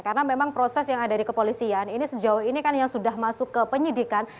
karena memang proses yang ada di kepolisian ini sejauh ini kan yang sudah masuk ke penyidikan